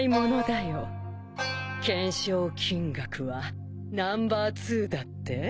懸賞金額はナンバー２だって？